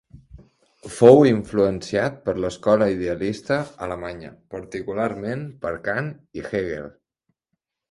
Fou influenciat per l'escola Idealista alemanya, particularment per Kant i Hegel.